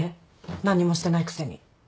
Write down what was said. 何にもしてないくせに。